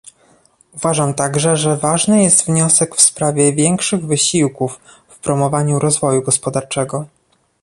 Uważam także, że ważny jest wniosek w sprawie większych wysiłków w promowaniu rozwoju gospodarczego